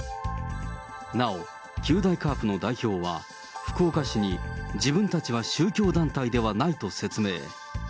なお、九大カープの代表は、福岡市に、自分たちは宗教団体ではないと説明。